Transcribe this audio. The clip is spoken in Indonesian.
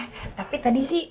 eh tapi tadi sih